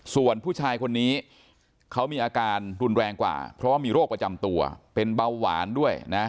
ส่วนผู้ชายคนนี้เขามีอาการรุนแรงกว่าเพราะว่ามีโรคประจำตัวเป็นเบาหวานด้วยนะ